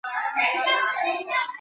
司马世云是司马纂的长子。